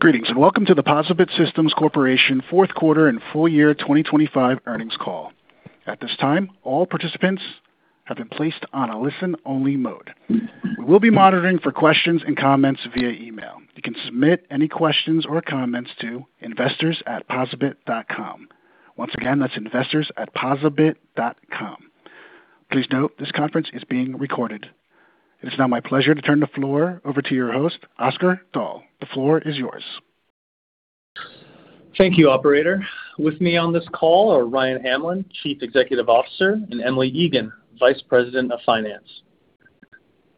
Greetings, and welcome to the POSaBIT Systems Corporation Fourth Quarter and Full Year 2025 earnings call. At this time, all participants have been placed on a listen-only mode. We will be monitoring for questions and comments via email. You can submit any questions or comments to investors@posabit.com. Once again, that's investors@posabit.com. Please note this conference is being recorded. It's now my pleasure to turn the floor over to your host, Oscar Dahl. The floor is yours. Thank you, operator. With me on this call are Ryan Hamlin, Chief Executive Officer, and Emily Egan, Vice President of Finance.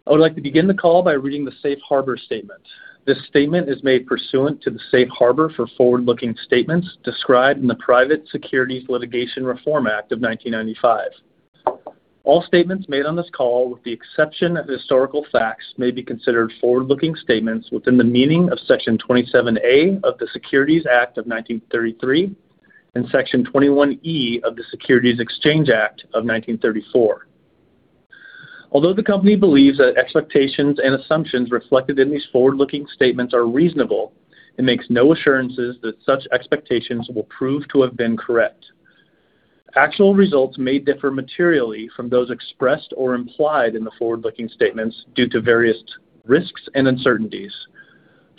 I would like to begin the call by reading the Safe Harbor statement. This statement is made pursuant to the Safe Harbor for forward-looking statements described in the Private Securities Litigation Reform Act of 1995. All statements made on this call, with the exception of historical facts, may be considered forward-looking statements within the meaning of Section 27A of the Securities Act of 1933 and Section 21E of the Securities Exchange Act of 1934. Although the company believes that expectations and assumptions reflected in these forward-looking statements are reasonable, it makes no assurances that such expectations will prove to have been correct. Actual results may differ materially from those expressed or implied in the forward-looking statements due to various risks and uncertainties.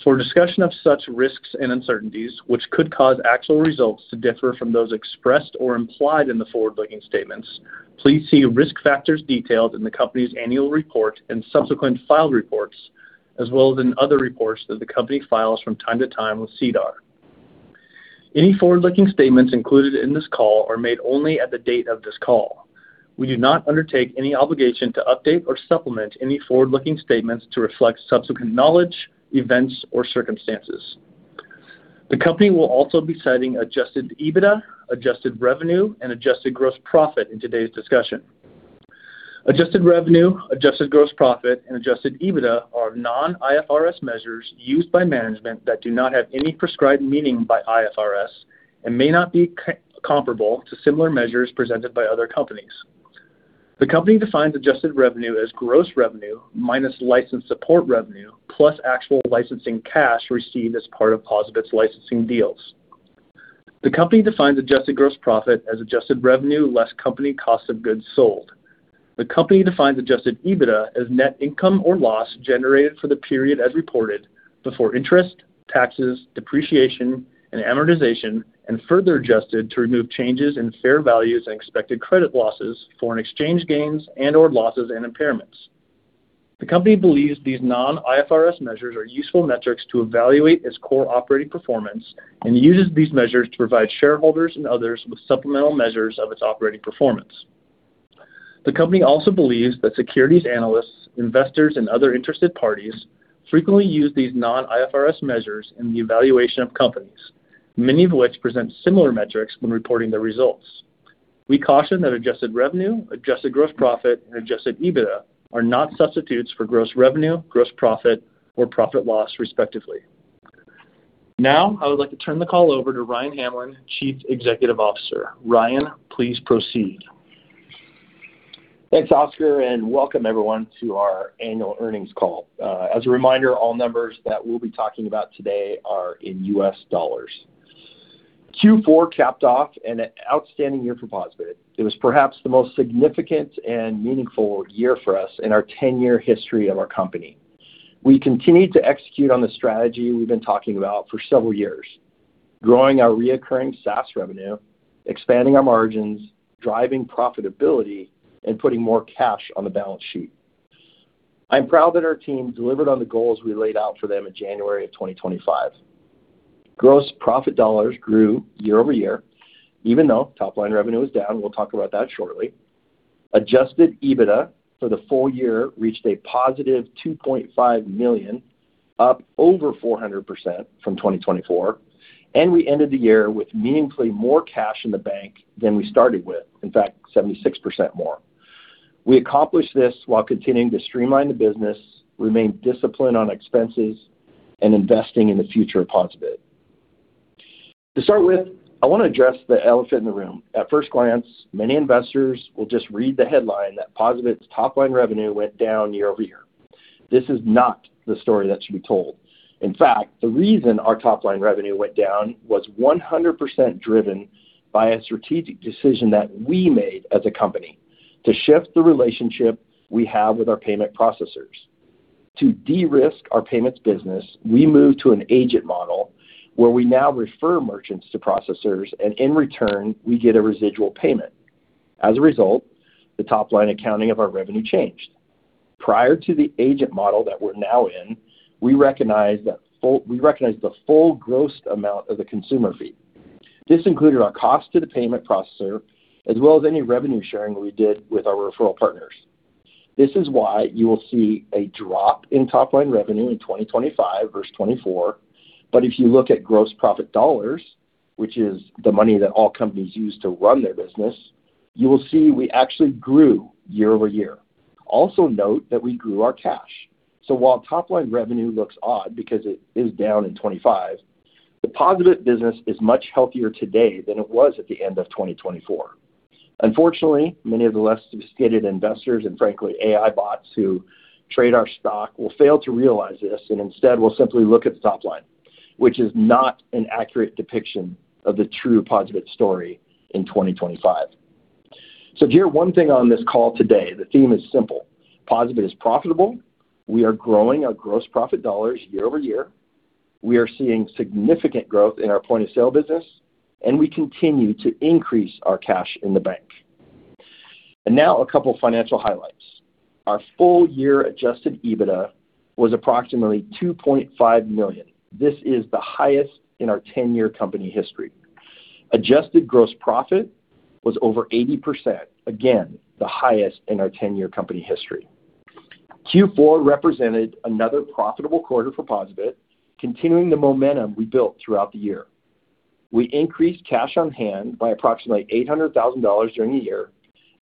For a discussion of such risks and uncertainties, which could cause actual results to differ from those expressed or implied in the forward-looking statements, please see risk factors detailed in the company's annual report and subsequent filed reports, as well as in other reports that the company files from time to time with SEDAR. Any forward-looking statements included in this call are made only at the date of this call. We do not undertake any obligation to update or supplement any forward-looking statements to reflect subsequent knowledge, events, or circumstances. The company will also be citing adjusted EBITDA, adjusted revenue, and adjusted gross profit in today's discussion. Adjusted revenue, adjusted gross profit, and adjusted EBITDA are non-IFRS measures used by management that do not have any prescribed meaning by IFRS and may not be comparable to similar measures presented by other companies. The company defines adjusted revenue as gross revenue minus license support revenue, plus actual licensing cash received as part of POSaBIT's licensing deals. The company defines adjusted gross profit as adjusted revenue less company cost of goods sold. The company defines adjusted EBITDA as net income or loss generated for the period as reported before interest, taxes, depreciation, and amortization, and further adjusted to remove changes in fair values and expected credit losses, foreign exchange gains and/or losses and impairments. The company believes these non-IFRS measures are useful metrics to evaluate its core operating performance and uses these measures to provide shareholders and others with supplemental measures of its operating performance. The company also believes that securities analysts, investors, and other interested parties frequently use these non-IFRS measures in the evaluation of companies, many of which present similar metrics when reporting their results. We caution that adjusted revenue, adjusted gross profit, and adjusted EBITDA are not substitutes for gross revenue, gross profit, or profit or loss, respectively. Now, I would like to turn the call over to Ryan Hamlin, Chief Executive Officer. Ryan, please proceed. Thanks, Oscar, and welcome everyone to our annual earnings call. As a reminder, all numbers that we'll be talking about today are in US dollars. Q4 capped off an outstanding year for POSaBIT. It was perhaps the most significant and meaningful year for us in our 10-year history of our company. We continued to execute on the strategy we've been talking about for several years, growing our recurring SaaS revenue, expanding our margins, driving profitability, and putting more cash on the balance sheet. I'm proud that our team delivered on the goals we laid out for them in January of 2025. Gross profit dollars grew year-over-year, even though top-line revenue is down. We'll talk about that shortly. Adjusted EBITDA for the full year reached a positive $2.5 million, up over 400% from 2024, and we ended the year with meaningfully more cash in the bank than we started with. In fact, 76% more. We accomplished this while continuing to streamline the business, remain disciplined on expenses, and investing in the future of POSaBIT. To start with, I want to address the elephant in the room. At first glance, many investors will just read the headline that POSaBIT's top-line revenue went down year-over-year. This is not the story that should be told. In fact, the reason our top-line revenue went down was 100% driven by a strategic decision that we made as a company to shift the relationship we have with our payment processors. To de-risk our payments business, we moved to an agent model where we now refer merchants to processors, and in return, we get a residual payment. As a result, the top-line accounting of our revenue changed. Prior to the agent model that we're now in, we recognized the full gross amount of the consumer fee. This included our cost to the payment processor, as well as any revenue sharing we did with our referral partners. This is why you will see a drop in top-line revenue in 2025 versus 2024. If you look at gross profit dollars, which is the money that all companies use to run their business, you will see we actually grew year-over-year. Also note that we grew our cash. While top-line revenue looks odd because it is down in 2025, the POSaBIT business is much healthier today than it was at the end of 2024. Unfortunately, many of the less sophisticated investors and frankly, AI bots who trade our stock will fail to realize this and instead will simply look at the top line, which is not an accurate depiction of the true POSaBIT story in 2025. If you hear one thing on this call today, the theme is simple. POSaBIT is profitable. We are growing our gross profit dollars year-over-year. We are seeing significant growth in our point-of-sale business, and we continue to increase our cash in the bank. Now a couple of financial highlights. Our full-year adjusted EBITDA was approximately $2.5 million. This is the highest in our 10-year company history. Adjusted gross profit was over 80%, again, the highest in our 10-year company history. Q4 represented another profitable quarter for POSaBIT, continuing the momentum we built throughout the year. We increased cash on hand by approximately $800,000 during the year,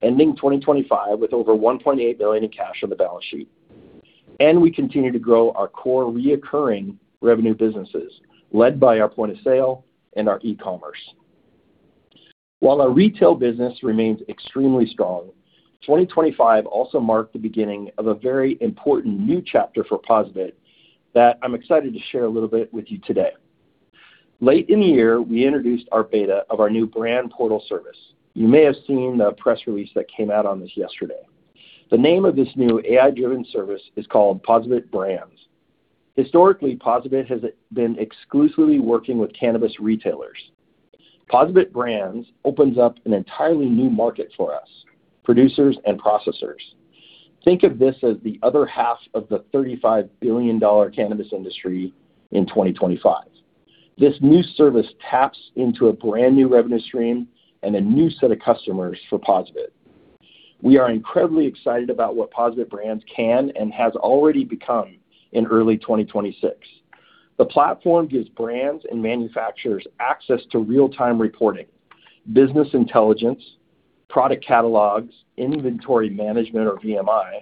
ending 2025 with over $1.8 billion in cash on the balance sheet. We continue to grow our core recurring revenue businesses, led by our point-of-sale and our e-commerce. While our retail business remains extremely strong, 2025 also marked the beginning of a very important new chapter for POSaBIT that I'm excited to share a little bit with you today. Late in the year, we introduced our beta of our new brand portal service. You may have seen the press release that came out on this yesterday. The name of this new AI-driven service is called POSaBIT Brands. Historically, POSaBIT has been exclusively working with cannabis retailers. POSaBIT Brands opens up an entirely new market for us, producers and processors. Think of this as the other half of the $35 billion cannabis industry in 2025. This new service taps into a brand-new revenue stream and a new set of customers for POSaBIT. We are incredibly excited about what POSaBIT Brands can and has already become in early 2026. The platform gives brands and manufacturers access to real-time reporting, business intelligence, product catalogs, inventory management or VMI,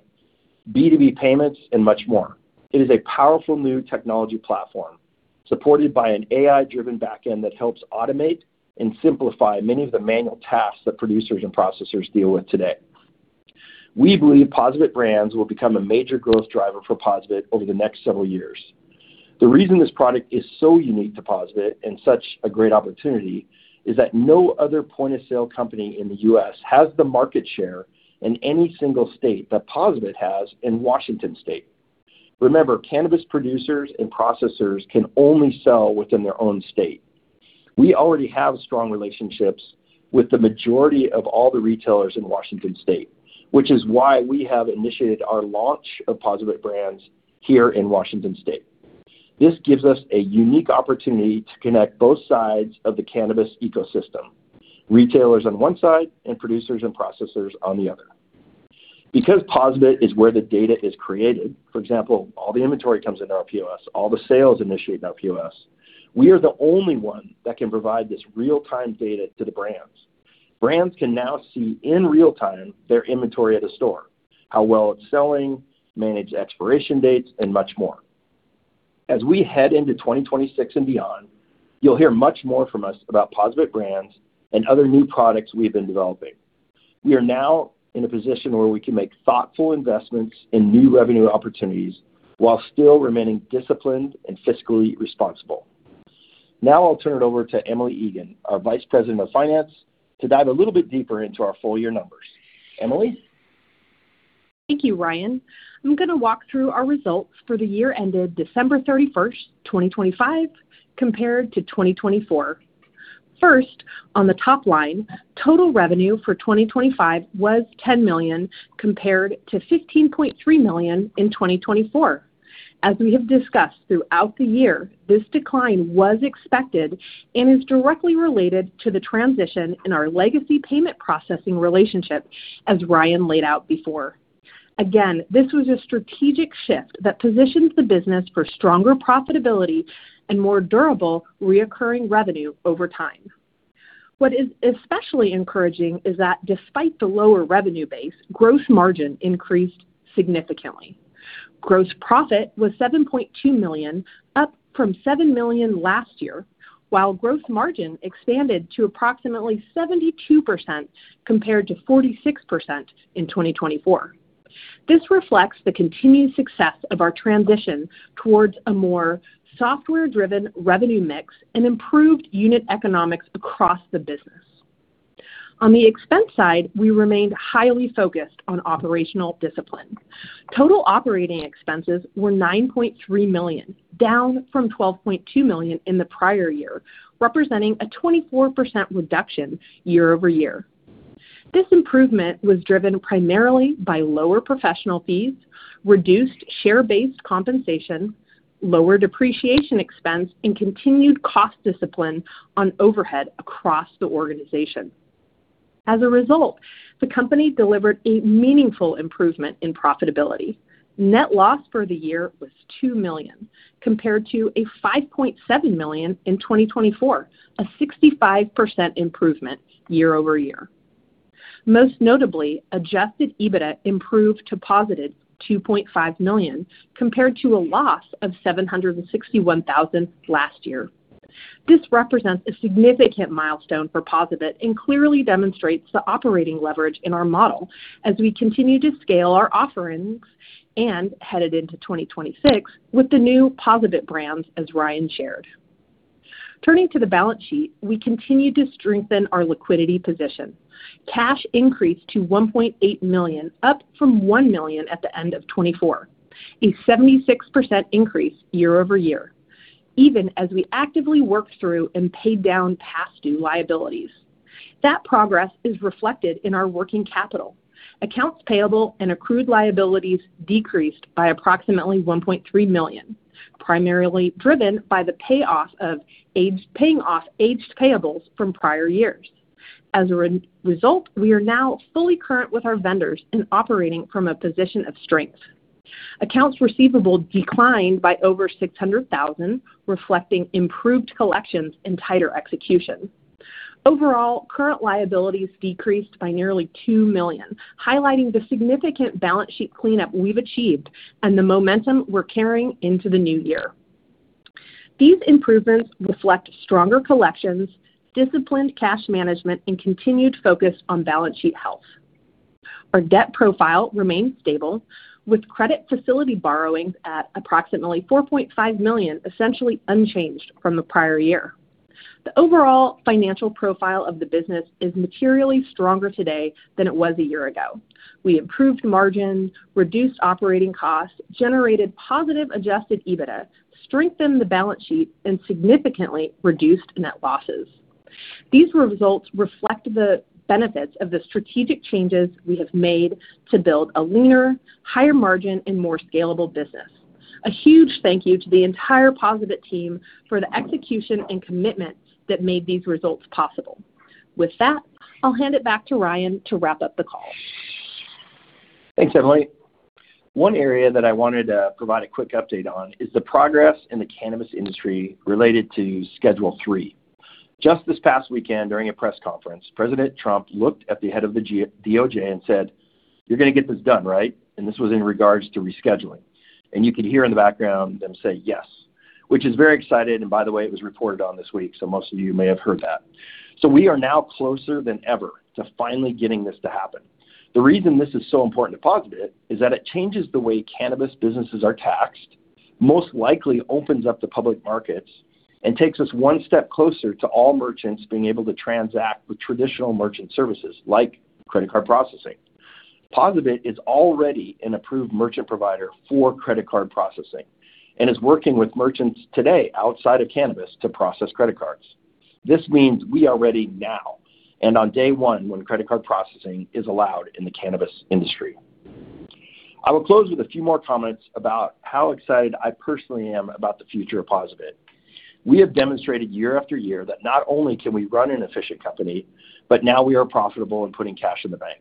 B2B payments, and much more. It is a powerful new technology platform supported by an AI-driven back-end that helps automate and simplify many of the manual tasks that producers and processors deal with today. We believe POSaBIT Brands will become a major growth driver for POSaBIT over the next several years. The reason this product is so unique to POSaBIT and such a great opportunity is that no other point-of-sale company in the U.S. has the market share in any single state that POSaBIT has in Washington State. Remember, cannabis producers and processors can only sell within their own state. We already have strong relationships with the majority of all the retailers in Washington State, which is why we have initiated our launch of POSaBIT Brands here in Washington State. This gives us a unique opportunity to connect both sides of the cannabis ecosystem, retailers on one side and producers and processors on the other. Because POSaBIT is where the data is created, for example, all the inventory comes into our POS, all the sales initiate in our POS. We are the only one that can provide this real-time data to the brands. Brands can now see in real time their inventory at a store, how well it's selling, manage expiration dates, and much more. As we head into 2026 and beyond, you'll hear much more from us about POSaBIT Brands and other new products we've been developing. We are now in a position where we can make thoughtful investments in new revenue opportunities while still remaining disciplined and fiscally responsible. Now I'll turn it over to Emily Egan, our Vice President of Finance, to dive a little bit deeper into our full year numbers. Emily? Thank you, Ryan. I'm going to walk through our results for the year ended December 31st, 2025, compared to 2024. 1st, on the top line, total revenue for 2025 was $10 million, compared to $15.3 million in 2024. As we have discussed throughout the year, this decline was expected and is directly related to the transition in our legacy payment processing relationship, as Ryan laid out before. Again, this was a strategic shift that positions the business for stronger profitability and more durable recurring revenue over time. What is especially encouraging is that despite the lower revenue base, gross margin increased significantly. Gross profit was $7.2 million, up from $7 million last year, while gross margin expanded to approximately 72%, compared to 46% in 2024. This reflects the continued success of our transition towards a more software-driven revenue mix and improved unit economics across the business. On the expense side, we remained highly focused on operational discipline. Total operating expenses were $9.3 million, down from $12.2 million in the prior year, representing a 24% reduction year-over-year. This improvement was driven primarily by lower professional fees, reduced share-based compensation, lower depreciation expense, and continued cost discipline on overhead across the organization. As a result, the company delivered a meaningful improvement in profitability. Net loss for the year was $2 million, compared to a $5.7 million in 2024, a 65% improvement year-over-year. Most notably, adjusted EBITDA improved to positive $2.5 million, compared to a loss of $761,000 last year. This represents a significant milestone for POSaBIT and clearly demonstrates the operating leverage in our model as we continue to scale our offerings and headed into 2026 with the new POSaBIT Brands, as Ryan shared. Turning to the balance sheet, we continue to strengthen our liquidity position. Cash increased to $1.8 million, up from $1 million at the end of 2024, a 76% increase year-over-year, even as we actively worked through and paid down past due liabilities. That progress is reflected in our working capital. Accounts payable and accrued liabilities decreased by approximately $1.3 million, primarily driven by the paying off aged payables from prior years. As a result, we are now fully current with our vendors and operating from a position of strength. Accounts receivable declined by over 600,000, reflecting improved collections and tighter execution. Overall, current liabilities decreased by nearly $2 million, highlighting the significant balance sheet cleanup we've achieved and the momentum we're carrying into the new year. These improvements reflect stronger collections, disciplined cash management, and continued focus on balance sheet health. Our debt profile remains stable, with credit facility borrowings at approximately $4.5 million, essentially unchanged from the prior year. The overall financial profile of the business is materially stronger today than it was a year ago. We improved margins, reduced operating costs, generated positive adjusted EBITDA, strengthened the balance sheet, and significantly reduced net losses. These results reflect the benefits of the strategic changes we have made to build a leaner, higher margin, and more scalable business. A huge thank you to the entire POSaBIT team for the execution and commitment that made these results possible. With that, I'll hand it back to Ryan to wrap up the call. Thanks, Emily. One area that I wanted to provide a quick update on is the progress in the cannabis industry related to Schedule III. Just this past weekend, during a press conference, President Trump looked at the head of the DOJ and said, "You're going to get this done, right?" This was in regard to rescheduling. You could hear in the background them say, "Yes," which is very exciting. By the way, it was reported on this week, so most of you may have heard that. We are now closer than ever to finally getting this to happen. The reason this is so important to POSaBIT is that it changes the way cannabis businesses are taxed, most likely opens up the public markets, and takes us one step closer to all merchants being able to transact with traditional merchant services like credit card processing. POSaBIT is already an approved merchant provider for credit card processing and is working with merchants today outside of cannabis to process credit cards. This means we are ready now and on day one when credit card processing is allowed in the cannabis industry. I will close with a few more comments about how excited I personally am about the future of POSaBIT. We have demonstrated year after year that not only can we run an efficient company, but now we are profitable and putting cash in the bank.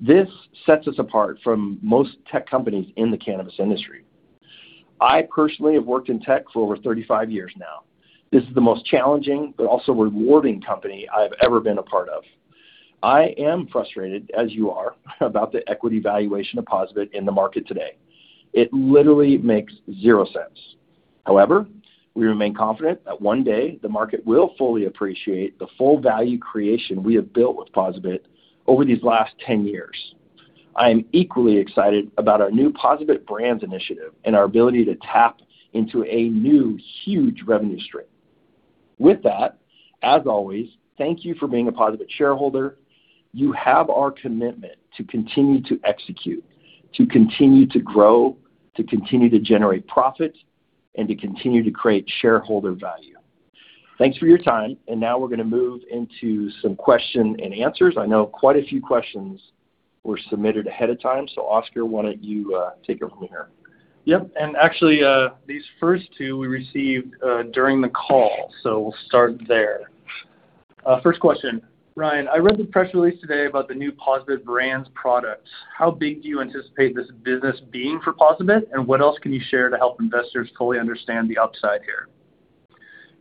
This sets us apart from most tech companies in the cannabis industry. I personally have worked in tech for over 35 years now. This is the most challenging but also rewarding company I've ever been a part of. I am frustrated, as you are, about the equity valuation of POSaBIT in the market today. It literally makes zero sense. However, we remain confident that one day the market will fully appreciate the full value creation we have built with POSaBIT over these last 10 years. I am equally excited about our new POSaBIT Brands initiative and our ability to tap into a new, huge revenue stream. With that, as always, thank you for being a POSaBIT shareholder. You have our commitment to continue to execute, to continue to grow, to continue to generate profit, and to continue to create shareholder value. Thanks for your time, and now we're going to move into some question and answers. I know quite a few questions were submitted ahead of time. Oscar, why don't you take it from here? Yep. Actually, these first two we received during the call, so we'll start there. 1st question. "Ryan, I read the press release today about the new POSaBIT Brands products. How big do you anticipate this business being for POSaBIT, and what else can you share to help investors totally understand the upside here?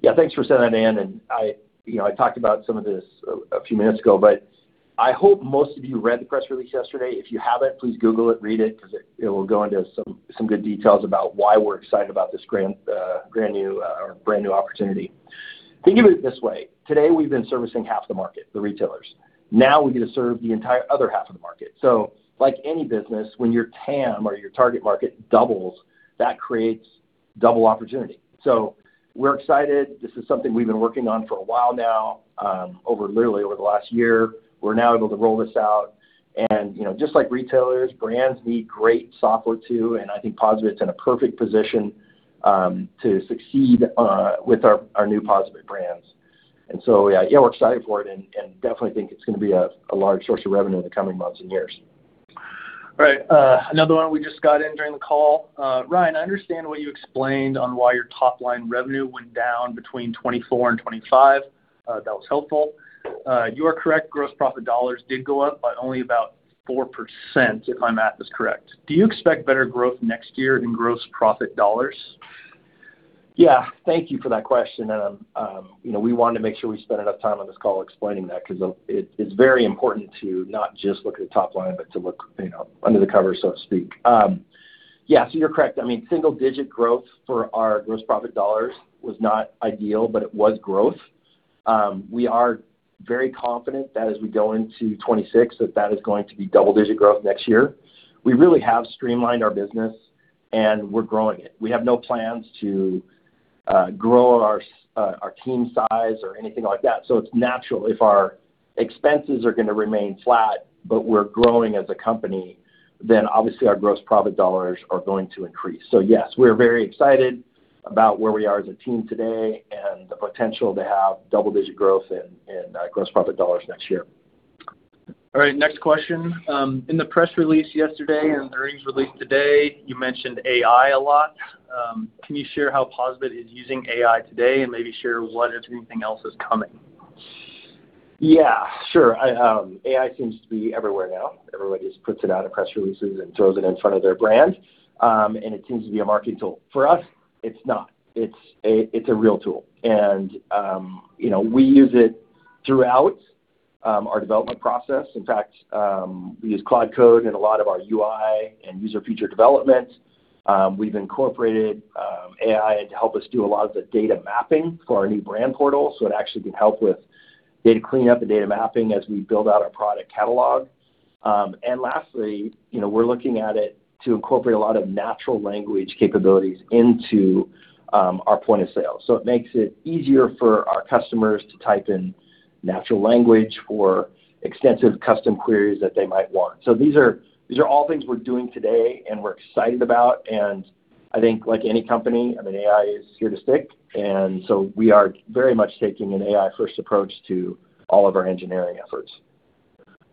Yeah, thanks for saying that.. I talked about some of this a few minutes ago, but I hope most of you read the press release yesterday. If you haven't, please Google it, read it, because it will go into some good details about why we're excited about this brand new opportunity. Think of it this way. Today, we've been servicing half the market, the retailers. Now we get to serve the entire other half of the market. Like any business, when your TAM or your target market doubles, that creates double opportunity. We're excited. This is something we've been working on for a while now. Literally over the last year, we're now able to roll this out. Just like retailers, brands need great software too, and I think POSaBIT's in a perfect position to succeed with our new POSaBIT Brands. Yeah, we're excited for it and definitely think it's going to be a large source of revenue in the coming months and years. All right. Another one we just got in during the call. "Ryan, I understand what you explained on why your top-line revenue went down between 2024 and 2025. That was helpful. You are correct, gross profit dollars did go up by only about 4%, if my math is correct. Do you expect better growth next year in gross profit dollars? Yeah. Thank you for that question. We wanted to make sure we spent enough time on this call explaining that because it's very important to not just look at the top line, but to look under the covers, so to speak. Yeah. You're correct. I mean, single-digit growth for our gross profit dollars was not ideal, but it was growth. We are very confident that as we go into 2026, that is going to be double-digit growth next year. We really have streamlined our business, and we're growing it. We have no plans to grow our team size or anything like that. It's natural, if our expenses are going to remain flat, but we're growing as a company, then obviously our gross profit dollars are going to increase. Yes, we are very excited about where we are as a team today, and the potential to have double-digit growth in gross profit dollars next year. All right, next question. In the press release yesterday, and the earnings release today, you mentioned AI a lot. Can you share how POSaBIT is using AI today, and maybe share what, if anything, else is coming? Yeah, sure. AI seems to be everywhere now. Everybody just puts it out in press releases and throws it in front of their brand, and it seems to be a marketing tool. For us, it's not. It's a real tool. We use it throughout our development process. In fact, we use Claude Code in a lot of our UI and user feature development. We've incorporated AI to help us do a lot of the data mapping for our new brand portal, so it actually can help with data cleanup and data mapping as we build out our product catalog. Lastly, we're looking at it to incorporate a lot of natural language capabilities into our point of sale. It makes it easier for our customers to type in natural language for extensive custom queries that they might want. These are all things we're doing today and we're excited about. I think, like any company, I mean, AI is here to stay, and so we are very much taking an AI-first approach to all of our engineering efforts.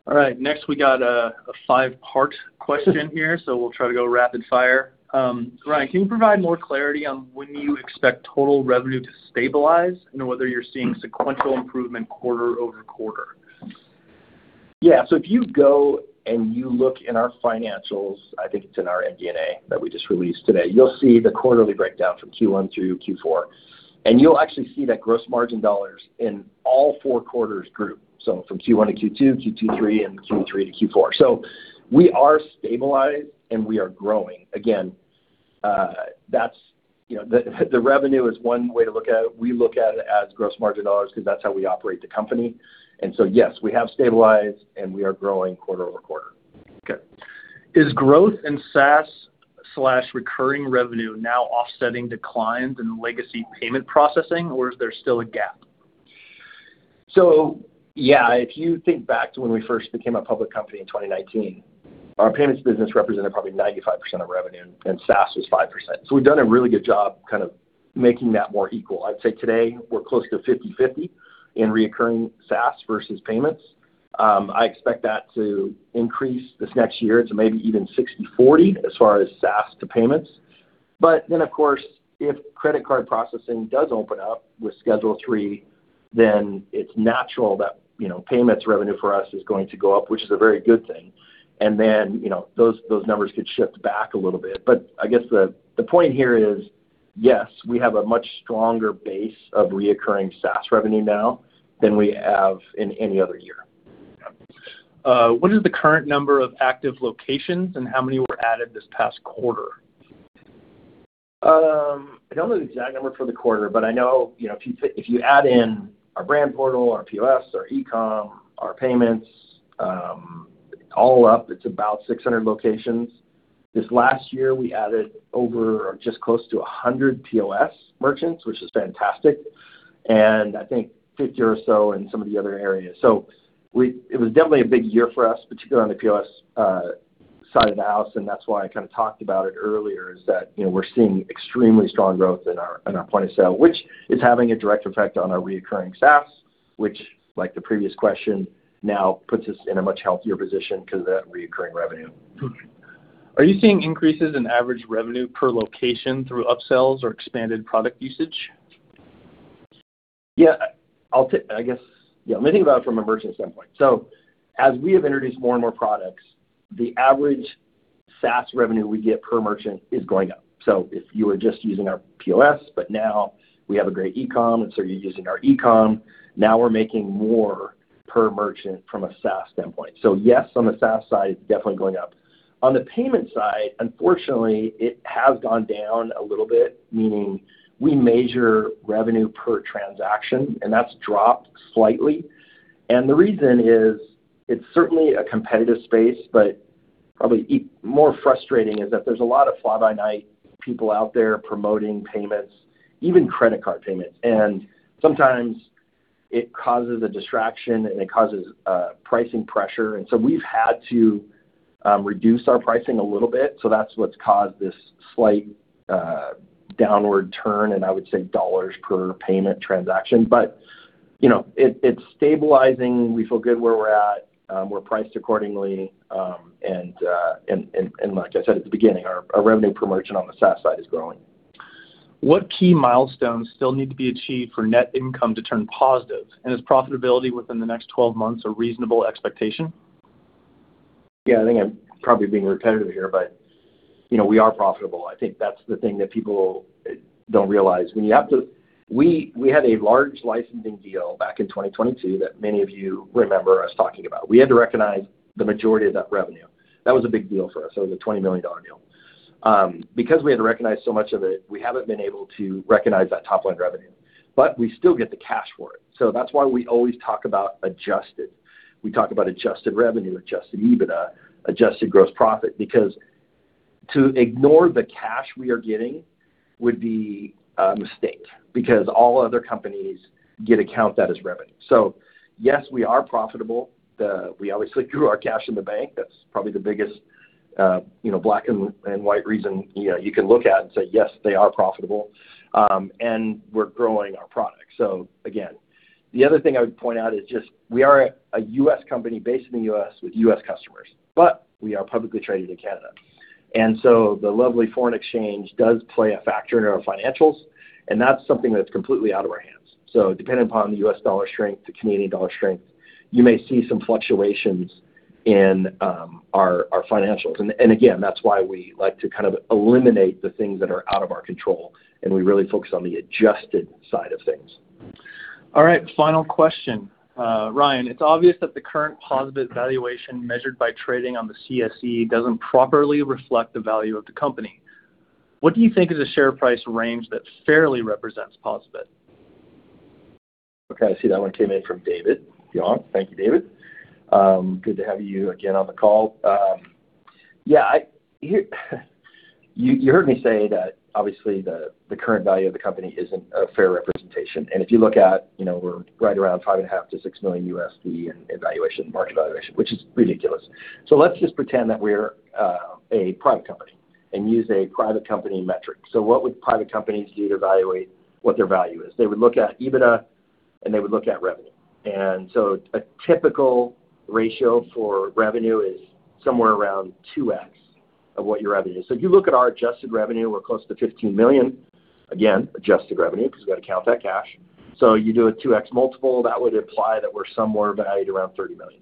All right. Next, we got a five-part question here, so we'll try to go rapid-fire. Ryan, can you provide more clarity on when you expect total revenue to stabilize, and whether you're seeing sequential improvement quarter-over-quarter? Yeah. If you go and you look in our financials, I think it's in our MD&A that we just released today, you'll see the quarterly breakdown from Q1 through Q4, and you'll actually see that gross margin dollars in all four quarters grew. From Q1 to Q2 to Q3, and Q3 to Q4. We are stabilized, and we are growing. Again, the revenue is one way to look at it. We look at it as gross margin dollars because that's how we operate the company. Yes, we have stabilized and we are growing quarter-over-quarter. Okay. Is growth and SaaS/recurring revenue now offsetting declines in legacy payment processing, or is there still a gap? Yeah. If you think back to when we first became a public company in 2019, our payments business represented probably 95% of revenue, and SaaS was 5%. We've done a really good job kind of making that more equal. I'd say today we're close to 50/50 in recurring SaaS versus payments. I expect that to increase this next year to maybe even 60/40 as far as SaaS to payments. Of course, if credit card processing does open up with Schedule lll, then it's natural that payments revenue for us is going to go up, which is a very good thing. Those numbers could shift back a little bit. I guess the point here is, yes, we have a much stronger base of recurring SaaS revenue now than we have in any other year. What is the current number of active locations, and how many were added this past quarter? I don't know the exact number for the quarter, but I know if you add in our brand portal, our POS, our eComm, our payments, all up, it's about 600 locations. This last year, we added over or just close to 100 POS merchants, which is fantastic. I think 50 or so in some of the other areas. It was definitely a big year for us, particularly on the POS side of the house, and that's why I kind of talked about it earlier, is that we're seeing extremely strong growth in our point of sale, which is having a direct effect on our recurring SaaS, which, like the previous question, now puts us in a much healthier position because of that recurring revenue. Are you seeing increases in average revenue per location through upsells or expanded product usage? Yeah. Let me think about it from a merchant standpoint. As we have introduced more and more products, the average SaaS revenue we get per merchant is going up. If you were just using our POS, but now we have a great eComm, and so you're using our eComm, now we're making more per merchant from a SaaS standpoint. Yes, on the SaaS side, it's definitely going up. On the payment side, unfortunately, it has gone down a little bit, meaning we measure revenue per transaction, and that's dropped slightly. The reason is, it's certainly a competitive space, but probably more frustrating is that there's a lot of fly-by-night people out there promoting payments, even credit card payments. Sometimes it causes a distraction, and it causes pricing pressure, and so we've had to reduce our pricing a little bit. That's what's caused this slight downward turn in, I would say, dollars per payment transaction. It's stabilizing. We feel good where we're at. We're priced accordingly, and like I said at the beginning, our revenue per merchant on the SaaS side is growing. What key milestones still need to be achieved for net income to turn positive? Is profitability within the next 12 months a reasonable expectation? Yeah. I think I'm probably being repetitive here, but we are profitable. I think that's the thing that people don't realize. We had a large licensing deal back in 2022 that many of you remember us talking about. We had to recognize the majority of that revenue. That was a big deal for us. That was a $20 million deal. Because we had to recognize so much of it, we haven't been able to recognize that top-line revenue, but we still get the cash for it. That's why we always talk about adjusted. We talk about adjusted revenue, adjusted EBITDA, adjusted gross profit. Because to ignore the cash we are getting would be a mistake, because all other companies get to count that as revenue. Yes, we are profitable. We obviously grew our cash in the bank. That's probably the biggest black and white reason you can look at and say, Yes, they are profitable. We're growing our product. Again, the other thing I would point out is just we are a U.S. company based in the U.S. with U.S. customers, but we are publicly traded in Canada. The lovely foreign exchange does play a factor in our financials, and that's something that's completely out of our hands. Depending upon the U.S. dollar strength, the Canadian dollar strength, you may see some fluctuations in our financials. Again, that's why we like to kind of eliminate the things that are out of our control, and we really focus on the adjusted side of things. All right. Final question. Ryan, it's obvious that the current POSaBIT valuation measured by trading on the CSE doesn't properly reflect the value of the company. What do you think is a share price range that fairly represents POSaBIT? Okay, I see that one came in from David Dionne. Thank you, David. Good to have you again on the call. You heard me say that obviously the current value of the company isn't a fair representation. If you look at, we're right around $5.5 million-$6 million in valuation, market valuation, which is ridiculous. Let's just pretend that we're a private company and use a private company metric. What would private companies do to evaluate what their value is? They would look at EBITDA, and they would look at revenue. A typical ratio for revenue is somewhere around 2x of what your revenue is. If you look at our adjusted revenue, we're close to $15 million. Again, adjusted revenue, because we've got to count that cash. You do a 2x multiple. That would imply that we're somewhere valued around $30 million.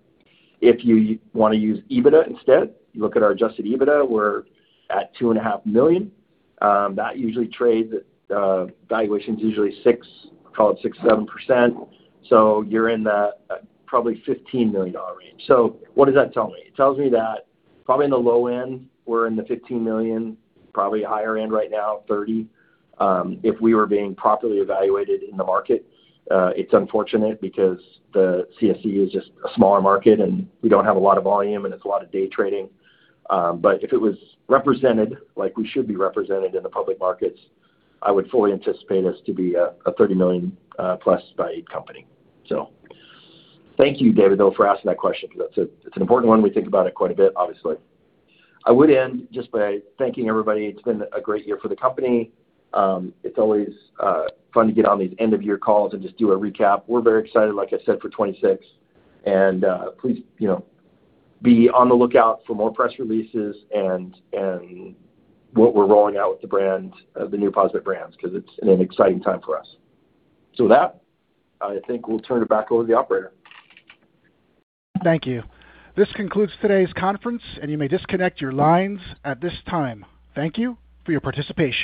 If you want to use EBITDA instead, you look at our adjusted EBITDA. We're at $2.5 million. That usually trades at valuations usually 6%, call it 6%-7%. You're in the probably $15 million range. What does that tell me? It tells me that probably in the low end, we're in the $15 million, probably higher end right now, $30 million, if we were being properly evaluated in the market. It's unfortunate because the CSE is just a smaller market, and we don't have a lot of volume, and it's a lot of day trading. If it was represented like we should be represented in the public markets, I would fully anticipate us to be a $30 million+ valued company. Thank you, David, though, for asking that question, because it's an important one. We think about it quite a bit, obviously. I would end just by thanking everybody. It's been a great year for the company. It's always fun to get on these end of year calls and just do a recap. We're very excited, like I said, for 2026. Please be on the lookout for more press releases and what we're rolling out with the brand, the new POSaBIT Brands, because it's an exciting time for us. With that, I think we'll turn it back over to the operator. Thank you. This concludes today's conference, and you may disconnect your lines at this time. Thank you for your participation.